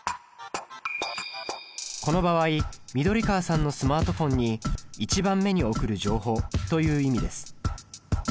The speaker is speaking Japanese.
この場合緑川さんのスマートフォンに１番目に送る情報という意味です。